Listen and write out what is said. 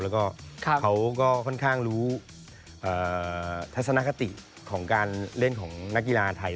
แล้วก็เขาก็ค่อนข้างรู้ทัศนคติของการเล่นของนักกีฬาไทย